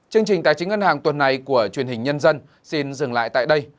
chương trình tài chính ngân hàng tuần này của truyền hình nhân dân xin dừng lại tại đây